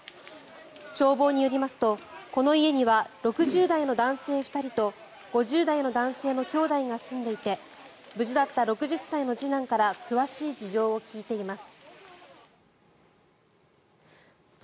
消防によりますと、この家には６０代の男性２人と５０代の男性の兄弟が住んでいて無事だった６０歳の次男から詳しい事情を聴いています。